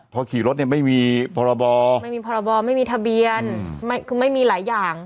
พอขี่รถเนี่ยไม่มีพรบไม่มีพรบไม่มีทะเบียนคือไม่มีหลายอย่าง